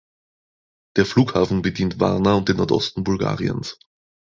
Der Flughafen bedient Varna und den Nordosten Bulgariens.